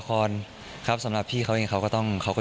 ครอบครัวสมมุติเขาจะต้องเข้าก็